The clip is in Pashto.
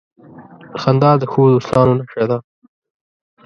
• خندا د ښو دوستانو نښه ده.